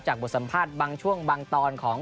บทสัมภาษณ์บางช่วงบางตอนของ